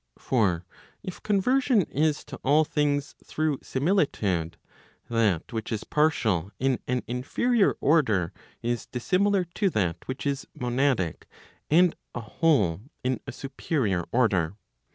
For if conversion is to all things through similitude, that which is partial in an inferior order, is dissimilar to that which is monadic and a whole in a superior order.